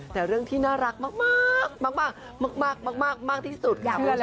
แต่เรื่องที่น่ารักมากมากที่สุดค่ะ